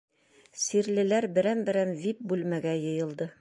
Сирлеләр берәм-берәм вип-бүлмәгә йыйылды.